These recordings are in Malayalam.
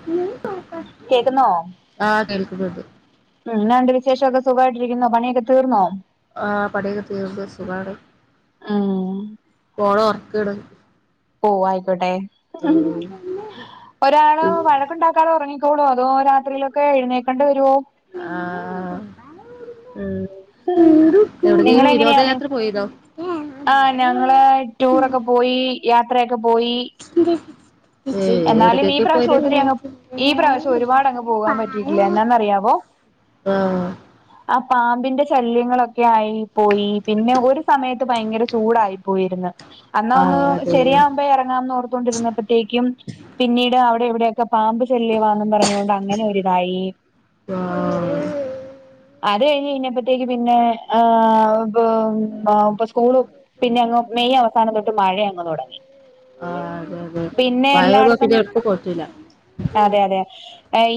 [inaudible] കേക്കുന്നോ? ആഹ് കേൾക്കുന്നുണ്ട്. മ് എന്നാണ്ട് വിശേഷൊക്കെ സുഖായിട്ടിരിക്കുന്നോ? പണിയൊക്കെ തീർന്നോ? ആ പണിയൊക്കെതീർന്നു, സുഖാണ് ഉം മോളെ ഒർക്കാണ്. ഓ ആയിക്കോട്ടെ, ഒരാൾ വഴക്കുണ്ടാക്കാതെ ഉറങ്ങി ത്തോളു അതോ രാത്രിലൊക്കെ എഴുന്നേക്കണ്ടെ വരോ? ആഹ് ഉം എവ്ട്ക്കേങ്കിലും വിനോദയാത്ര പോയിന്നോ? ആ ഞങ്ങള് ടൂറൊക്കെ പോയി യാത്രയൊക്കെ പോയി. [unintelligible] ഏ എന്നാലും ഈ എവിടകൊക്കെ പ്രാവശ്യം പോയത്? ഒത്തിരി അങ്ങ് ഈ പ്രാവശ്യം ഒരുപാട് അങ്ങ് പോകാൻ പറ്റിയിട്ടില്ല എന്നാന്നറിയാവോ ആഹ് ആ പാമ്പിന്റെ ശല്യങ്ങളൊക്കെ ആയി പോയി പിന്നെ ഒരു സമയത്ത് ഭയങ്കര ചൂടായി പോയിര്ന്ന് അന്നാ ഒന്ന് ആഹ് അതെ ശരിയാവുമ്പ എറങ്ങാംന്ന് ഓർത്തോണ്ടിരുന്ന പ്പത്തേക്കും പിന്നീട് അവിടെ ഇവിടെക്കെ പാമ്പ് ശല്യവാന്നും പറഞ്ഞൊണ്ട് അങ്ങനെ ഒരിതായി. ആഹ് അത് കഴിഞ്ഞ് പിന്നപ്പത്തേക്ക് പിന്നെ ആഹ് ഇപ്പ സ്കൂളും പിന്നെ അങ്ങ് മെയ് അവസാനം തൊട്ട് മഴ അങ്ങ് തൊടങ്ങി. ആ അതെ അതെ മയയ്യ്മ്പൊ എല്ലായിടത്തും പിന്നെ എവ്ട്ക്കും പോയിട്ടില്ല അതെ അതെ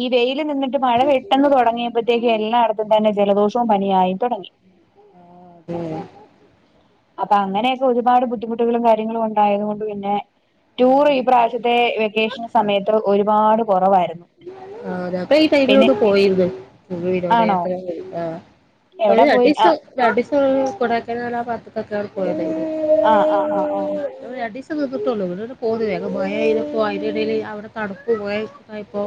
ഈ വെയില് നിന്നിട്ട് മഴ പെട്ടെന്ന് തൊടങ്ങിയ പ്പത്തേക്ക് എല്ലായിടത്തും തന്നെ ജലദോഷോം പനിയായി തൊടങ്ങി ഉം അപ്പൊ അങ്ങനെയൊക്കെ ഒരുപാട് ബുദ്ധിമുട്ടുകളും കാര്യങ്ങളും ഉണ്ടായത് കൊണ്ട് പിന്നെ ടൂറ് ഈ ആഹ് പ്രാവശ്യത്തെ വെക്കേഷൻ സമയത്ത് ഒരുപാട് കൊറവായിരുന്നു ആ അതെ അപ്പൊ ഈ ടൈമിലൊക്കെ പോയിര്ന്ന് വിനോദയാത്ര പോയി ആ ഒരു എവിടാ പോയി ആ രണ്ടീസം രണ്ടീസം കൊടയ്ക്കനാലാപാത്ത്കൊക്കാണ് പോയത്. ആഹ് ആഹ് ആഹ് ആഹ് ഓ രണ്ടീസം നിക്കത്തൊള്ളൂ [unintelligible] പോന്നു വേഗം മയ പെയ്തപ്പോ അയ്ന്റെടെല് അവടെ തണുപ്പ് പോയപ്പോ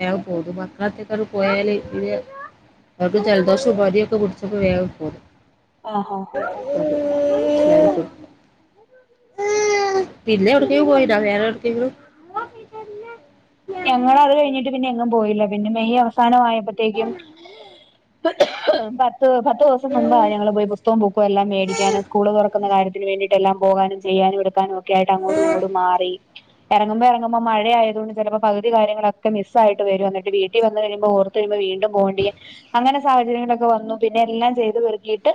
വേഗം പോന്നു മക്കളെറ്റൊക്കെ പോയാല് തീരെ അവക്ക് ജലദോഷം പനിയൊക്കെ പുടിച്ചപ്പോ വേഗം പോന്നു [inaudible] ആ ആ [inaudible] പിന്നെ എവ്ട്ക്കേങ്കിലും പോയിനോ വേറെ എവിട്ക്കെങ്കിലും [unintelligible] ഞങ്ങളത് കഴിഞ്ഞിട്ട് പിന്നെ എങ്ങും പോയില്ല പിന്നെ മെയ് അവസാനം ആയപ്പത്തേക്കും പത്ത് പത്ത് ദിവസം മുമ്പാ ഞങ്ങള് പോയി പുസ്തകം ബുക്കും എല്ലാം മേടിക്കാന് സ്കൂള് തൊറ ക്കുന്ന കാര്യത്തിന് വേണ്ടിട്ട് എല്ലാം പോകാനും ചെയ്യാനും എടുക്കാനും ഒക്കെ ആയിട്ട് അങ്ങോട്ടുമിങ്ങോട്ടും മാറി എറങ്ങുമ്പോ എറങ്ങുമ്പ മഴ ആയത് കൊണ്ട് ചെലപ്പോ പകുതി കാര്യങ്ങളൊക്കെ മിസ്സായിട്ട് വരും എന്നിട്ട വീട്ടി വന്ന് കഴിയുമ്പോ ഓർത്ത് കഴിയുമ്പോ വീണ്ടും പോവേണ്ടി അങ്ങനെ സാഹ ങ്ങളൊക്കെ വന്നു പിന്നെ എല്ലാം ചെയ്ത് പെറുക്കിട്ട്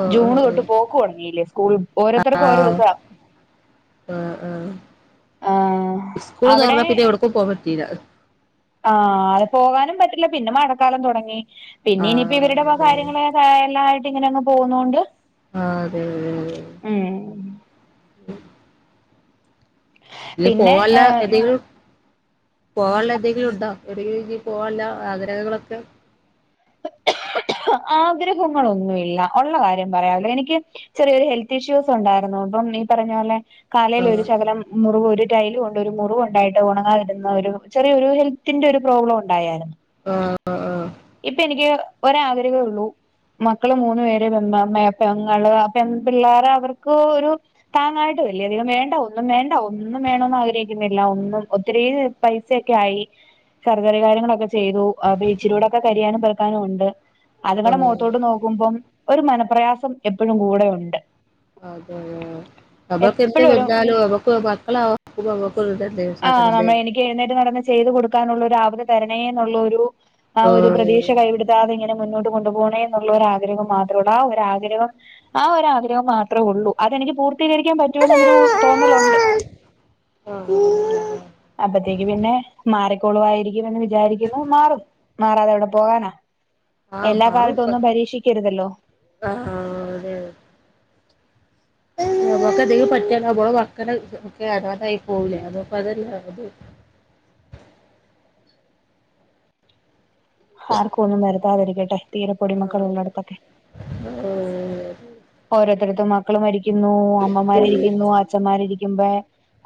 ആഹ് ആഹ് ജൂണ് തൊട്ട് പോക്ക് തൊടങ്ങിയില്ലേ സ്കൂൾ ഓരോത്തർക്ക് ഓരോ ദിവസവാ ആ ആ ആഹ് സ്കൂള്ന്ന് അവിടെ തൊറന്ന പിന്നെ എവ്ട്ക്കും പോവാൻ പറ്റീല. ആ അല്ല പോകാനും പറ്റില്ല പിന്നെ മഴക്കാലം തൊടങ്ങി പിന്നെ ഇനിയിപ്പോ ആഹ് ഇവരുടെ വക അതെ കാര്യങ്ങള് [unintelligible] ഇങ്ങനെ അങ്ങ് പോകുന്നൊണ്ട് ആഹ് അതെ അതെ അതെ അതെ ഉം ഇനി പിന്നെ പോവാല്ല ഏഹ് എതെങ്കിലും പോകാൻള്ളന്തെങ്കിലും ഉണ്ടോ? എവിടെങ്കിലുംഞ്ഞി പോകാന്ള്ള ആഗ്രഹങ്ങളൊക്കെ? [inaudible] ആഗ്രഹങ്ങളൊന്നുഇല്ല, ഒള്ള കാര്യം പറയാവല്ലോ എനിക്ക് ചെറിയൊരു ഹെൽത്ത് ഇഷ്യൂസ് ഉണ്ടായിരുന്നു അപ്പം ഈ പറഞ്ഞ പോലെ കാലേൽ ആഹ് ഒരു ശകലം മുറിവ് ഒരു ടൈല് കൊണ്ട് ഒരു മുറിവ് ഉണ്ടായിട്ട് ഉണങ്ങാതിരുന്ന ഒരു ചെറിയൊരു ഹെൽത്തിന്റൊരു പ്രോബ്ലം ഉണ്ടായാരുന്നു ആഹ് ആഹ് ഇപ്പ എനിക്ക് ഒര് ആഗ്രഹേ ഉള്ളൂ. മക്കള് മൂന്നു പേര് പെ പെങ്ങള് അ പെമ്പിള്ളേര് അവർക്കൊരു താങ്ങായിട്ടൂല്ല്യധികം വേണ്ട ഒന്നും വേണ്ട ഒന്നും വേണംന്ന് ആഗ്രഹിക്കുന്നില്ല ഒന്നും ഒത്തിരി പൈസയൊക്കെയായി, സർജറി കാര്യങ്ങളൊക്കെ ചെയ്തു, ആ ബീച്ചിലൂടെ കരിയാനും പെറക്കാനും ഒണ്ട്, അതങ്ങടെ ആഹ് മുഖത്തോട്ട് നോ [unintelligible] ഒര് മനപ്രയാസം എപ്പഴും കൂടെ ഒണ്ട് അതെയൊ നമ്മക്ക് എന്ത് എപ്പഴും ഒരു വന്നാലും നമ്മക്ക് മക്കളെ [unintelligible] ആ നമ്മ എനിക്ക് എഴുന്നേറ്റ് നടന്ന് ചെയ്ത് കൊടുക്കാനൊള്ള ഒര് ആവത് തരണേന്നുള്ളൊരു ആ ഒര് ആഹ് പ്രതീക്ഷ കൈവിട്ത്താതെ ഇങ്ങനെ മുന്നോട്ട് [unintelligible] കൊണ്ടുപോണേന്നുള്ളൊരാഗ്രഹം മാത്രേഒള്ളു, ആ ഒര് ആഗ്രഹം ആ ഒര് ആഗ്രഹം മാത്രേ ഒള്ളൂ, അതെനിക്ക് പൂർത്തീകരിക്കാൻ പറ്റൂ എന്ന്ള്ളൊരു തോന്നലൊണ്ട്. ആഹ് അപ്പത്തേക്ക് പിന്നെ, മാറിക്കോളുവാരിക്കും എന്ന് വിചാരിക്കുന്നു മാറും, മാറാതെ എവ്ടെ പോകാനാ ആഹ് എല്ലാ മാറും കാലത്തും ഒന്നും പരീക്ഷിക്കരുതല്ലോ ആഹ് അതെ. നമ്മക്ക് എന്തെലും പറ്റിയാ നമ്മളെ മക്കള് ഒക്കെ അനാഥായി പോവൂലെ അതപ്പ അതല്ല അത് ആർക്കും ഒന്നും വരുത്താതിരിക്കട്ടെ, തീരെ പൊടിമക്കള് ഒള്ളടത്തൊക്കെ ഊം ഓരോത്തടത്ത് മക്കള് മരിക്കുന്നു, അമ്മമാരിരിക്കുന്നു അ അച്ഛമ്മാര് ഇരിക്കുമ്പേ,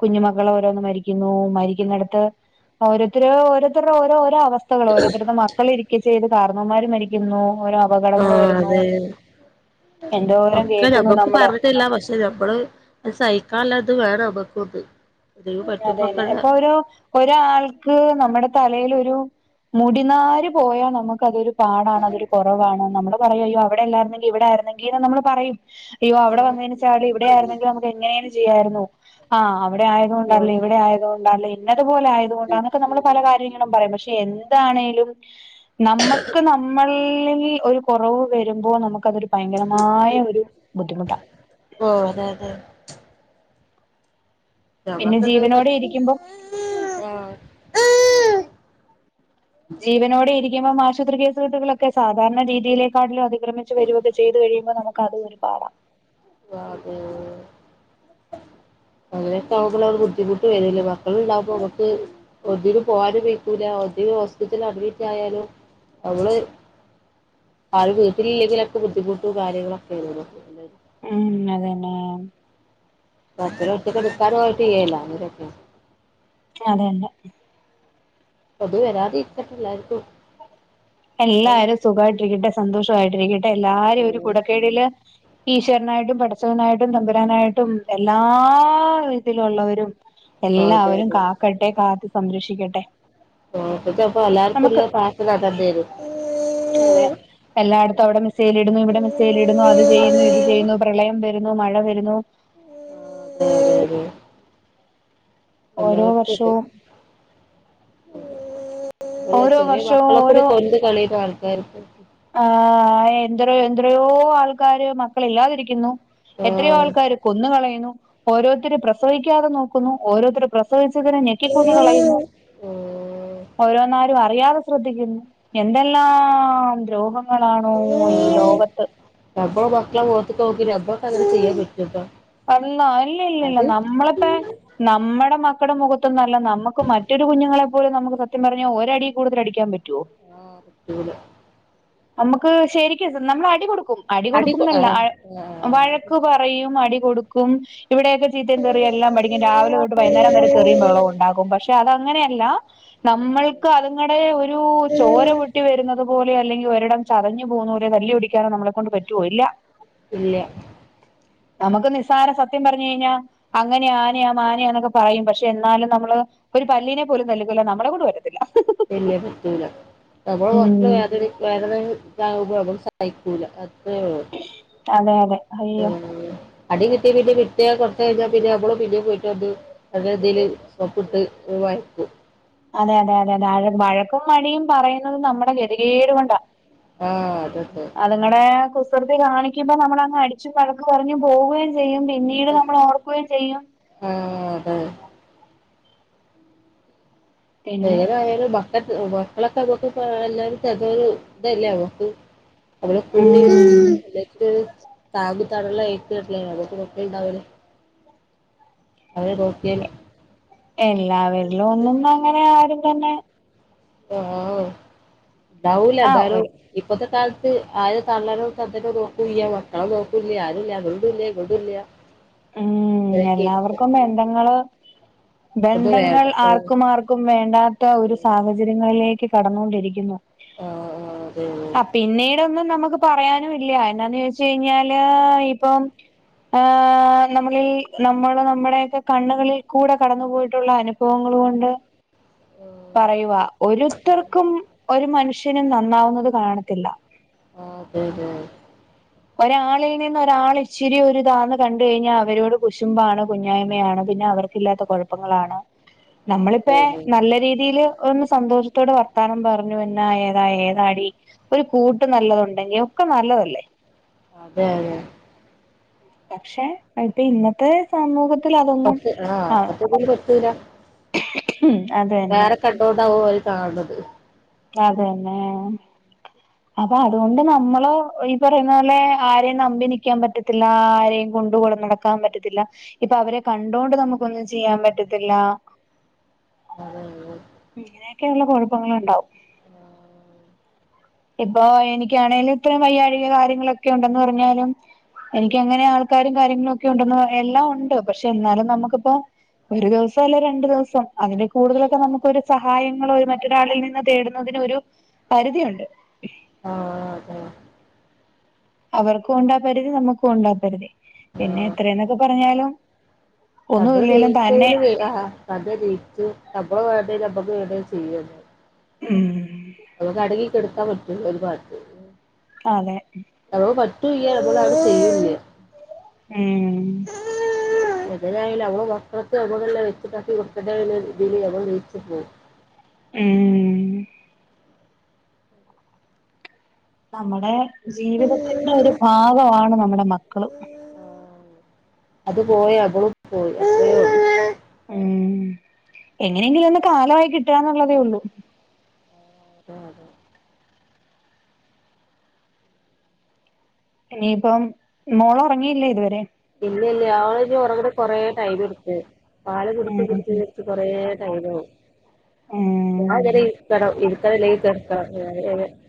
കുഞ്ഞിമക്കള് ഓരോന്ന് മരിക്കുന്നു. മരിക്കുന്നടത്ത് ഓരോരുത്തര് ഓരോരുത്തര്ടെ ഓരോ ഓരോ വസ്ഥകള്, ഓരോത്തടുത്ത് മക്കൾ ഇരിക്കചെയ്ത് കാരണവമാര് മരിക്കുന്നു, ഓരോ അപകടങ്ങള് ആഹ് വരുന്നൂ അതെ എന്തോരം കേക്കുന്നു നമ്മള് ന് ഞമ്മള് അത് സഹിക്കാള്ളത് വേനമക്കുണ്ട്. അതെന്നെ, ഇപ്പ ഒരു ഒരാൾക്ക് നമ്മടെ തലേലൊരു മുടിനാര് പോയാ നമക്ക് അതൊരു പാടാണ് അതൊരു കൊറവാണ്, നമ്മള് പറയും അയ്യോ അവിടെ അല്ലായിരുന്നെങ്കി ഇവ്ടെ ആരുന്നെങ്കിന്ന് നമ്മള് പറയും അയ്യോ അവ്ടെ ആഹ് വന്ന [unintelligible] ഇവ്ടെ ആയിന്നെങ്കില് നമുക്ക് എങ്ങനെയേലും ചെയ്യാരുന്നു ആ അവ്ടെയായ ല്ല ആഹ് ഇവ്ടെ ആയതുകൊണ്ടല്ലേ ഇന്നതുപോലെ ആയത് കൊണ്ടാന്നൊക്കെ നമ്മള് പല കാര്യങ്ങള് [unintelligible] പറയും പഷേ എന്താണേലും നമ്മക്ക് ന [unintelligible] ല്ലങ്കി ഒര് കൊറവ് വരുമ്പോ നമക്കതൊരു ഭയങ്കരമായ ഒരു ബുദ്ധിമുട്ടാ ഓഹ് അതേ അതെ. പിന്നെ ഞമ്മക്കെന്തെങ്കിലും ജീവനോടെ പറ്റ ഇരിക്കുമ്പം ആഹ് ജീവനോടെ ഇരിക്കുമ്പം ആശുപത്രി കേസ് കെട്ടുകള് ക്കെ സാധാരണ രീതിയിലെക്കാട്ലും അതിക്രമിച്ച് വരുക്കെ ചെയ്ത് കഴിയുമ്പോ നമുക്ക്‌ അതും ഒര് പാടാ ആഹാ അതെതെ അങ്ങനൊക്കെ ആവ്മ്പളാണ് ബുദ്ധിമുട്ട് വര്ല്ലേ മക്കളുണ്ടാവുമ്പോ നമക്ക് ഒന്നിനും പോവാനും വയ്ക്കൂല ഒന്നിനൂം ഹോസ്പിറ്റല് അഡ്മിറ്റ് ആയാലും ഞമ്മള് ആരും വീട്ടില്ല്ലെങ്കിലൊക്കെ ബുദ്ധിമുട്ടും കാര്യങ്ങളൊക്കെ ആണ്ലൊ ഹും അതന്നെ പതന്നെ ഒറ്റക്ക് നിക്കാനും ആയിട്ട്യ്യല്ലോ വരൊക്കെ - [unintelligible] തും വരാതിരിക്കട്ടെ എല്ലാര്ക്കും. എല്ലാരും സുഖായിട്ടിരിക്കട്ടെ സന്തോഷയിട്ടിരിക്കട്ടെ എല്ലാരും ഒരു കുടക്കിഴില് ഈശ്വരനായിട്ടും, പഠച്ചവനായിട്ടും, തമ്പുരാനായിട്ടും, എല്ലാ വിതത്തിലൊള്ളവരും, അതെ എല്ലാവരും അതെ കാക്കട്ടെ, കാത്ത് സംരക്ഷിക്കട്ടെ, ഇപ്പത്തെ അപ്പൊ എല്ലാർക്കും നമക്ക് ഉള്ള പ്രാർത്ഥന അതന്നേനു അതെ ഉം എല്ലായിടത്തും അവ്ടെ മിസയിൽ ഇട്ന്നു. ഇവ്ടെ മിസയിൽ ഇട്ന്നു. അത് ചെയ്യുന്നു അതെ ഇത് അതെ ചെയ്യുന്നു പ്രളയം വര്ന്നു മഴ വര്ന്നു [inaudible] ഓരോ എല്ലായിടത്തും ഉണ്ട് വർഷവും അല്ല ഓരോ ചെറിയ വർഷവും മക്കളെ കൂടി കൊന്ന് കളയുന്ന ആൾക്കാര്ണ്ട് ആ എദ്രയോ എദ്രയോ ആൾക്കാര് മക്കള്ല്ലാതിരിക്കുന്നു എത്രയോ ആഹ് ആൾക്കാര് കൊന്ന്കളയുന്നു ഓരോര്ത്തര് പ്രസവിക്കാതെ നോക്കുന്നു. ഓരോര്ത്തര് പ്ര ക്ക് വെച്ചക്ക്ണെ ഞെക്കിക്കൊന്ന് ആഹ് കളയുന്ന് ഓരോന്നാരും അറിയാതെ ശ്രദ്ധിക്കുന്നു എന്തെല്ലാം ദ്രോഹം ങ്ങളാണോ ഈ ലോകത്ത് ഞമ്മളെ മക്കളെ മോത്ത്കോക്കി ഞമ്മക്കങ്ങനെ ചെയ്യാ പറ്റോപ്പൊ അാ ഇല്ല ഇല്ല ഇല്ല നമ്മളിപ്പ നമ്മടെ മക്കുടെ മുഖത് ത്തുന്നല്ല നമുക്ക് മറ്റൊരു കുഞ്ഞങ്ങളെ പോലും നമുക്ക് സത്യം പറഞ്ഞാ ഒരടി കൂടുതൽ അടിക്കാൻ പറ്റോ? ആഹ് പറ്റൂല നമുക്ക് ശരിക്കും നമ്മൾ അടി കൊടുക്കും അടി കൊടുക്കുംന്നല്ല ആഹ് ആഹ് വഴക്ക് ക്ക് പറയും അടി കൊടുക്കും ഇവിടെയൊക്കെ ചീത്തയും തെറിയും എല്ലാം പഠിക്കും രാവിലെ തൊട്ട് വൈകുന്നരം വരെ തെറിയും ബഹളോംണ്ടാക്കും പക്ഷെ അതങ്ങനെയല്ല നമ്മൾക്ക് അതുങ്ങടെ ഒരു ചോര പൊട്ടി വരുന്നത് പോലെ അല്ലെങ്കി വെ ഒരിടം ചതഞ്ഞു പോകുന്നവരെ തല്ലി ടിക്കാനോ നമ്മളെ കൊണ്ട് പറ്റുവോ? ഇല്ല ഇല്ല നമുക്ക് നിസ്സാരം സത്യം പറഞ്ഞു കയിഞ്ഞാ അങ്ങനെ ആനയാ മാനെയാ എന്നൊക്കെ പറയും പക്ഷെ എന്നാലും നമ്മള് ഒരു പല്ലീനെ പോലും തല്ലിക്കൊല്ലാൻ നമ്മളെകൊണ്ട് പറ്റത്തില്ല ഇല്ല്യ പറ്റൂല നമ്മൾ ഉം മക്കള് വേദനി വേറെ താവുമ്പം നമക്ക് സഹിക്കൂല അത്രയുള്ളൂ അതെ അതെ അയ്യോ അടി കിട്ടി കിട്ടി കിട്ടിയാ കുറച്ച് കഴിഞ്ഞാ പിന്നേം നമ്മൾ പിന്നേം പോയിട്ട് അത് അതതിൽ സോപ്പിട്ട് മയക്കും അതെ അതെ അതെ അതെഴ വഴക്കും വടിയും പറയുന്നത് നമ്മുടെ ഗതികേട് കൊണ്ടാ ആഹ അതതെ അതുങ്ങടെ കുസൃതി കാണിക്കുമ്പോ നമ്മൾ അങ്ങ് അടിച്ചു വഴക്ക് പറഞ്ഞും പോവുകയും ചെയ്യും പിന്നെ പിന്നീട്ട് നമ്മൾ ഓർക്കുകയും ചെയ്യും ആ അതെ പിന്നെ എങ്ങനെയായാലും മക്കത് മക്കളൊക്കെ നമക്ക് എല്ലാരും ചെതരു ഇതല്ലേ നമ്മക്ക് അവടെ ഉം [unintelligible] താങ്ങും തണലായിട്ടല്ലേ [unintelligible] അവരെ നോക്കിയാൽ എല്ലാവരിലും ഒന്നന്ന് അങ്ങനെ ആരും തന്നെ ണ്ടാവൂല ആ ന്തെയാലും ഒരു ഇപ്പത്തെ കാലത്ത് ആര് തള്ളനോ തന്തനോ നോക്കൂല്ല മക്കളെ നോക്കൂല്ല ആരുല്ല അങ്ങട്ടും ഇല്ല ഇങ്ങട്ടൂല്ല [inaudible] ഉം എല്ലാവർക്കും ബന്ധങ്ങള് ഇപ്പൊ അത് ബന്ധങ്ങൾ വേണ്ട ആർക്കും ആർക്കും വേണ്ടാത്ത ഒരു സാഹചര്യങ്ങളിലേക്ക് കടന്നൊണ്ടിരിക്കുന്നു ആ ആ അതെ പിന്നീടൊന്നും നമുക്ക് പറയാനുല്ല എന്താന്ന് ചോയ്ച്ച്കഴിഞ്ഞാല് ഇപ്പം ആഹ ആ നമ്മളിൽ നമ്മൾ നമ്മുടെയൊക്കെ കണ്ണുകളിൽ കൂടെ കടന്നു പോയിട്ടുള്ള അനുഭവങ്ങൾ കൊണ്ട് ഓ പറയുവാ ഒരുത്തർക്കും ഒരു മനുഷ്യനും നന്നാവുന്നത് കാണത്തില്ല ആഹ് അതെതെ ഒരാളിൽ നിന്ന് ഒരാൾ ഇച്ചിരി ഒരി ഇതാന്ന് കണ്ട്കഴിഞ്ഞാ അവരോട് കുശുമ്പാണ് കുഞ്ഞായ്മയാണ് പിന്നെ അവര് ല്ലാത്ത കുഴപ്പങ്ങളാണ് ഉം നമ്മളിപ്പ നല്ല രീതിയില് ഒന്ന് സന്തോഷത്തോട് വർത്താനം പറഞ്ഞു എന്നാ ഏതാ ഏതാടി ഒരു കൂട്ട് നല്ലതുണ്ടെങ്കി ഒക്കെ നല്ലതല്ലേ അതെ അതെ പക്ഷേ [unintelligible] ഇന്നത്തെ സമൂഹത്തിൽ അതൊന്നും പത്ത് ആ ആഹ് പത്ത് ഇതില് ഉം അതെ വേറ കണ്ണോണ്ടാവും അവര് കാണണത് അതന്നേ അപ്പൊ അതുകൊണ്ട് നമ്മള് ഈ പറയുന്ന പോലെ ആരെയും നമ്പി നിൽക്കാൻ പറ്റത്തില്ല ആരെയും കൊണ്ട് കൊടെ നട ക്കാൻ പറ്റത്തില്ല ഇപ്പൊ അവരെ കണ്ടോണ്ട് നമുക്കൊന്നും ചെയ്യാൻ പറ്റത്തില്ല അതെ അതെ ഇങ്ങനെയൊക്കെയുള്ള കൊഴപ്പങ്ങളുണ്ടാകും ഇപ്പ എനിക്കാണേലും ഇത്ര വയ്യാഴിക കാര്യങ്ങളൊക്കെ ഉണ്ടെന്ന് പറഞ്ഞാലും എനിക്ക് അങ്ങനെ ആൾക്കാരും കാര്യങ്ങളും ഒക്കെ ഉണ്ടന്ന് എല്ലാം ഉണ്ട് പക്ഷെ എന്നാലും നമുക്കിപ്പോ ഒരു ദിവസം അല്ലേ രണ്ടു ദിവസം അതിന്റെ കൂടുതലൊക്കെ നമുക്കൊരു സഹായങ്ങൾ മറ്റൊരാളിൽ നിന്ന് തേട് അതിനൊരു പരിധിയുണ്ട്. ആഹ് അതേ അവർക്കും ഉണ്ടാ പരുതി. നമ്മുക്കും ഉണ്ടാ പരുതി. ആ പിന്നെ എത്ര എന്നൊക്കെ പറഞ്ഞാലും ഒന്നും നമ്മള് ജയി ഇല്ലേലും തന്നെ [unintelligible] ആഹ് നമ്മള് ജയിച്ചു. നമ്മള് വേണ്ടത് നമ്മക്ക് വേണ്ടത് ചെയ്യന്നേ. ഉം [unintelligible] അടങ്ങി കൊടുക്കാൻ പറ്റും ഒരു ഭാഗത്ത് അതെ അവക്ക് പറ്റൂല്ല. അതുപോല അവള് ചെയ്യൂല്ല. ഉം എതിനായാലും അവള് മൊത്തത്തിൽ അവടെല്ലാം വെച്ചിട്ടാക്കി കുടുക്ക രീതിയി അവൾ ജീയിച്ചു പോവും ഉം നമ്മടെ ജീവിതത്തിന്റെ ഒരു ഭാഗമാണ് നമ്മുടെ മക്കള് അത് പോയ അവളും പോയി അത്ര ഒള്ളു ഉം എങ്ങനെയെങ്കിലും ഒന്ന് കാലമായി കിട്ടുക എന്നതേ ഉള്ളൂ ആഹ് അതേ ഇനിയിപ്പം മോള് ഒറങ്ങിയില്ലേ ഇതുവരെ ഇല്ല ഇല്ല അവൾ ഇഞ്ഞി ഒറങ്ങണേങ്കിൽ കൊറേ ടൈമ് എടുക്കും. പാല് കുടിച്ച് ഉം കുടിച്ച് കൊറ ടൈംമാവും. ഉം ഞാൻ ഇവര് ഇവടെ ഉട്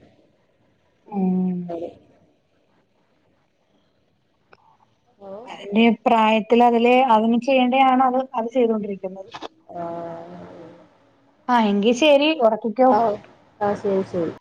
ഉം [unintelligible] ഓ അതിന്റെ പ്രായത്തിൽ അതില് അതിന് ചെയ്യേണ്ട ആണ് അത് ചെയ്തൊണ്ടിരിക്കുന്നത് ആഹ് ആ എങ്കി ശരി ഉറക്കി ഒ ആ ഹ് ശരി ശരി